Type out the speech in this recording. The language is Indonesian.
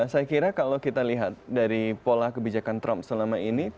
saya kira kalau kita lihat dari pola kebijakan trump selama ini